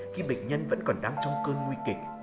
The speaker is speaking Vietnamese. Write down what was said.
khi bệnh nhân vẫn còn đang trong cơn nguy kịch